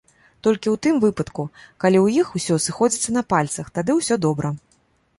Толькі ў тым выпадку, калі ў іх усё сыходзіцца на пальцах, тады ўсё добра!